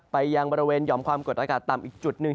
ยังบริเวณหย่อมความกดอากาศต่ำอีกจุดหนึ่ง